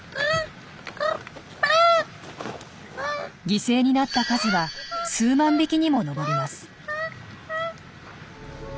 犠牲になった数は数万匹にも上ります。